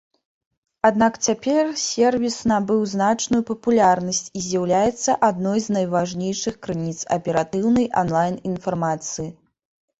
Аднак цяпер сервіс набыў значную папулярнасць і з'яўляецца адной з найважнейшых крыніц аператыўнай анлайн-інфармацыі.